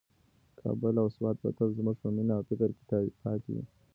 کابل او سوات به تل زموږ په مینه او فکر کې پاتې وي.